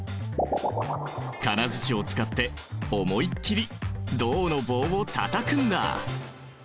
金づちを使って思いっきり銅の棒をたたくんだ！